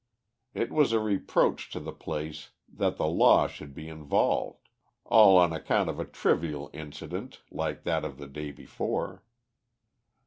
It was a reproach to the place that the law should be invoked, all on account of a trivial incident like that of the day before.